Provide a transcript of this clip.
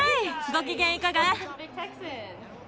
ご機嫌いかが？